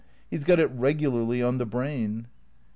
He's got it regularly on the brain."